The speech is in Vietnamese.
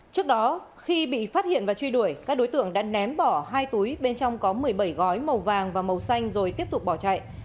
trước đó khi bị phát hiện và truy đuổi các đối tượng đã ném bỏ hai túi bên trong có một mươi bảy gói màu vàng và màu xanh rồi tiếp tục bỏ chạy